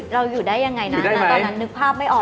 เราอยู่ได้ยังไงนะตอนนั้นนึกภาพไม่ออก